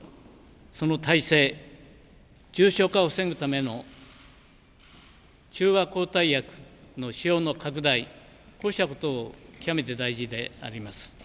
その体制、重症化を防ぐための中和抗体医薬の使用の拡大、こうしたこと、極めて大事であります。